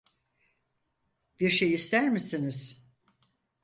Bir şey ister misiniz?